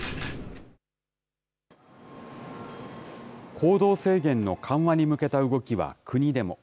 行動制限の緩和に向けた動きは国でも。